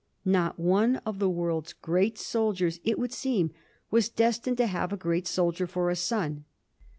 Not one of the world's great soldiers, it would seem, was destined to have a great soldier for a son.